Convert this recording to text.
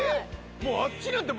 もうあっちなんて波。